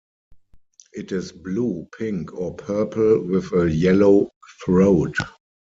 It is blue, pink, or purple with a yellow throat.